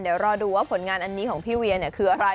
เดี๋ยวรอดูว่าผลงานอันนี้ของพี่เวียคืออะไร